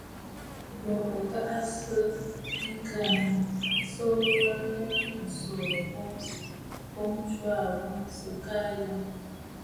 M̀bə ò ghɛ̂sə̀ ŋkəgə aso wa mûm ǹsòò mə kwaʼa boŋ sɨ̀ aa yənə!